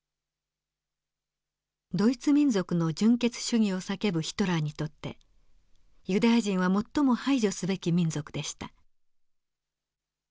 ドイツ民族の純血主義を叫ぶヒトラーにとってユダヤ人は最も排除すべき民族でした。